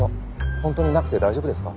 本当になくて大丈夫ですか？